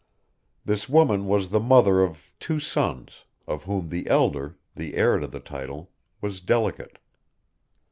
This woman was the mother of two sons, of whom the elder, the heir to the title, was delicate.